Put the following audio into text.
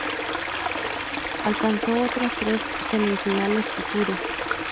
Alcanzó otras tres semifinales futures.